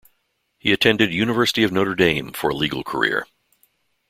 He attended University of Notre Dame for a legal career.